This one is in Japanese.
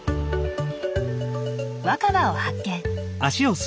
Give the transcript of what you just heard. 若葉を発見。